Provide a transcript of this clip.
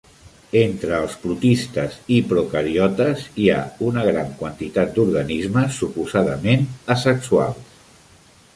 Entre els protistes i procariotes hi ha una gran quantitat d'organismes suposadament asexuals.